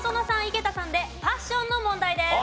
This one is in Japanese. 井桁さんでファッションの問題です。